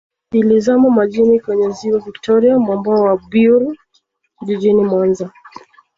Ilizama majini kwenye Ziwa Victoria mwambao wa Bwiru Jijini Mwanza